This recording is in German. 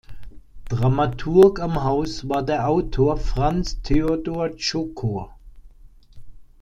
Dramaturg am Haus war der Autor Franz Theodor Csokor.